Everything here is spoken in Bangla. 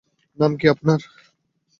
নাম কী আপনার?